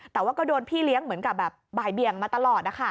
แต่ว่าก็โดนพี่เลี้ยงเหมือนกับแบบบ่ายเบียงมาตลอด